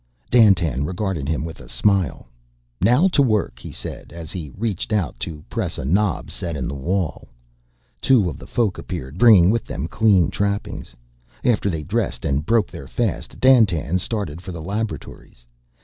Dandtan regarded him with a smile. "Now to work," he said, as he reached out to press a knob set in the wall. Two of the Folk appeared, bringing with them clean trappings. After they dressed and broke their fast, Dandtan started for the laboratories.